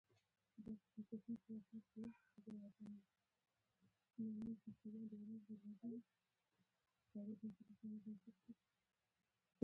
باسواده نجونې د هنر په برخه کې وړتیا ښيي.